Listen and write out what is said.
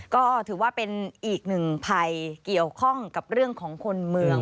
ก็ถือว่าเป็นอีกหนึ่งภัยเกี่ยวข้องกับเรื่องของคนเมือง